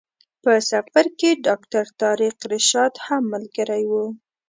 په سفر کې ډاکټر طارق رشاد هم ملګری و.